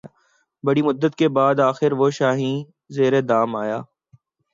بڑی مدت کے بعد آخر وہ شاہیں زیر دام آیا